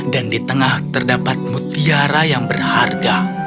dan di tengah terdapat mutiara yang berharga